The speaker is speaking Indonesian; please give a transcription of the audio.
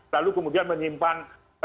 lalu kemudian menyimpan